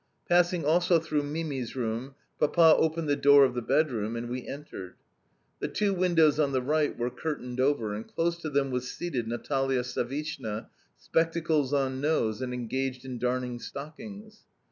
Passing also through Mimi's room, Papa opened the door of the bedroom, and we entered. The two windows on the right were curtained over, and close to them was seated, Natalia Savishna, spectacles on nose and engaged in darning stockings.